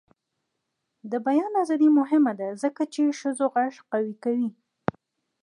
د بیان ازادي مهمه ده ځکه چې ښځو غږ قوي کوي.